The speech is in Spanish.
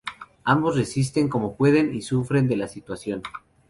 Ambos resisten como pueden, y sufren de la situación.